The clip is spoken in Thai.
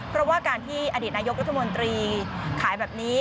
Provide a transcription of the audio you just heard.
เพราะว่าการที่อดีตนายกรัฐมนตรีขายแบบนี้